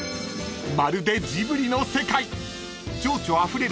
［まるでジブリの世界］ほら。